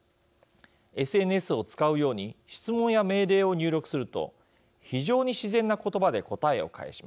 ＳＮＳを使うように質問や命令を入力すると非常に自然な言葉で答えを返します。